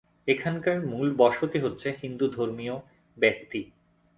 এখানকার মুল বসতি হচ্ছে হিন্দু ধর্মিয় ব্যক্তি।